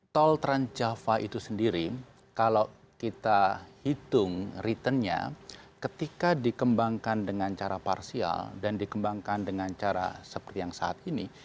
tol transjava itu sendiri kalau kita hitung returnnya ketika dikembangkan dengan cara parsial dan dikembangkan dengan cara seperti yang saat ini